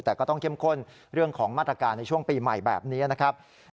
แต่ก็ต้องเข้มข้นเรื่องของมาตรการในช่วงปีใหม่แบบนี้นะครับ